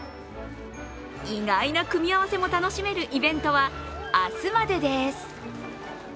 意外な組み合わせも楽しめるイベントは、明日までです。